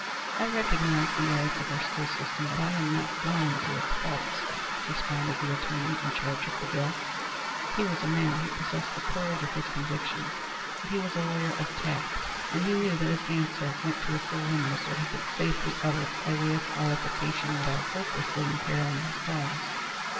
"I recognize the merits of our school system, but I am not blind to its faults," responded the attorney in charge of the bill. He was a man who possessed the courage of his convictions, but he was a lawyer of tact, and he knew that his answer went to the full limit of what he could safely utter by way of qualification without hopelessly imperilling his cause.